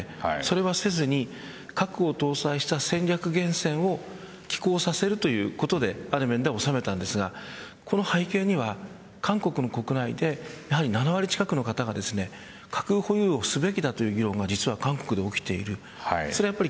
アメリカはさすがに核の拡大をこれ以上したくないのでそれはせずに核を搭載した戦略原潜を寄港させるということである面でおさめたんですがこの背景には韓国の国内でやはり７割近くの方が核保有をすべきだという議論が実は韓国で起きている。